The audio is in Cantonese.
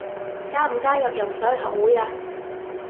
加唔加入游水學會啊？